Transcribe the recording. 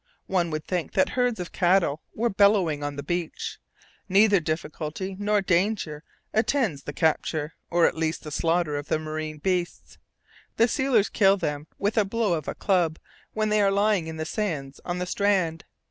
One would think that herds of cattle were bellowing on the beach. Neither difficulty nor danger attends the capture, or at least the slaughter of the marine beasts. The sealers kill them with a blow of a club when they are lying in the sands on the strand.